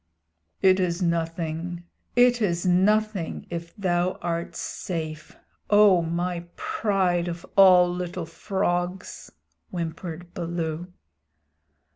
"It is nothing, it is nothing, if thou art safe, oh, my pride of all little frogs!" whimpered Baloo.